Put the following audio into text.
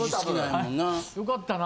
よかったな。